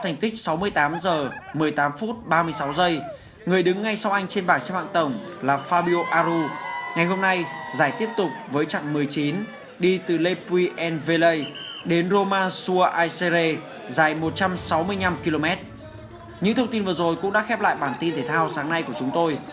những thông tin vừa rồi cũng đã khép lại bản tin thể thao sáng nay của chúng tôi